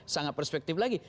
sangat perspektif lagi